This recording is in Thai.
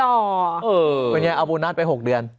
เออเป็นอย่างไรเอาโบนัสไป๖เดือน